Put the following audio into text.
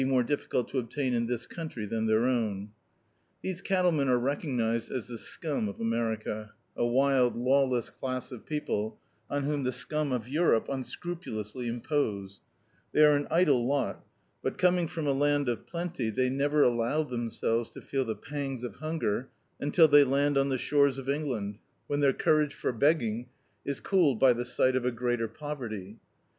db, Google The Autobiography of a Super Tramp more diiBcult to obtain in this country than their These cattlemen are recognised as the scum of America, a wild, lawless class of people, on whom the scum of Europe unscrupulously impose. They are an idle lot, but, coming from a land of plenty, they never allow diemsclves to feel the pangs of hunger imtil they land on the shores of England, when their courage for be^ng is cooled by the si^t of a greater poverty.